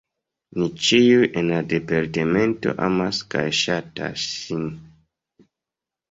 Ni ĉiuj en la Departemento amas kaj ŝatas ŝin.